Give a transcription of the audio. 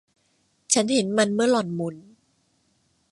ฉันเห็นมันเมื่อหล่อนหมุน